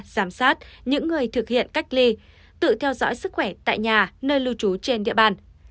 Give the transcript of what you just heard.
giám sát những người thực hiện cách ly tự theo dõi sức khỏe tại nhà nơi lưu trú trên địa bàn